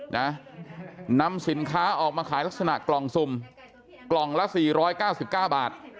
นำสินค้าออกมาขายลักษณะกล่องสุ่มกล่องละสี่ร้อยเก้าสิบเก้าบาท